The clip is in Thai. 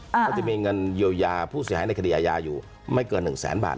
ค่ะจะมีเงินเยียวยาพูดทรยายในคดีอาญาอยู่ไม่เกินหนึ่งแสนบาท